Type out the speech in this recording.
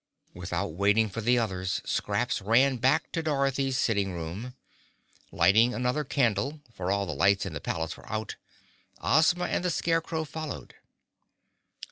Without waiting for the others Scraps ran back to Dorothy's sitting room. Lighting another candle, for all the lights in the palace were out, Ozma and the Scarecrow followed.